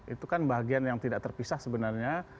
itu kan bahagian yang tidak terpisah sebenarnya